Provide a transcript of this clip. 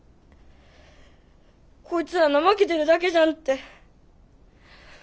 こいつら怠けてるだけじゃんって。